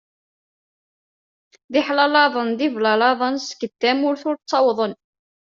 D iḥlalaḍan d iblalaḍen skedd tamurt ur ttawḍen.